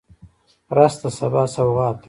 رس د سبا سوغات دی